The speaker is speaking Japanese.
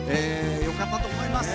よかったと思います。